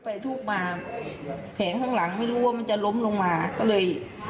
ไปทูกมาแผงข้างหลังมึงบ่มันจะล้มลงมาก็เลย